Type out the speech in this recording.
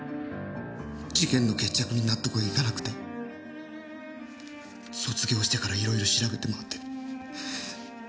事件の決着に納得がいかなくて卒業してからいろいろ調べて回って。